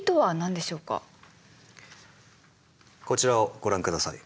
こちらをご覧下さい。